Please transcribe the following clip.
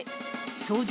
掃除